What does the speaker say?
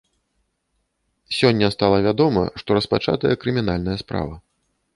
Сёння стала вядома, што распачатая крымінальная справа.